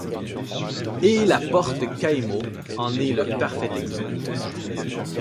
Et la porte Cailhau en est le parfait exemple.